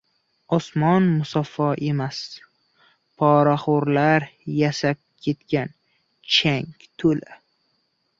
Osmon musaffo emas, poraxo'rlar yasab ketgan changga to'la!